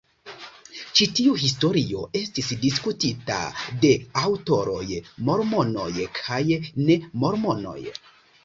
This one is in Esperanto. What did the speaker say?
Ĉi tiu historio estis diskutita de aŭtoroj mormonoj kaj ne mormonoj.